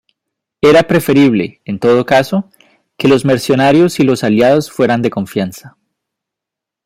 Era preferible, en todo caso, que los mercenarios y los aliados fueran de confianza.